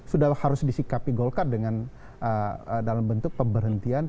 sudah harus disikapi golkar dengan dalam bentuk pemberhentian